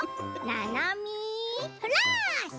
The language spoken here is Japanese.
「ななみフラッシュ！」。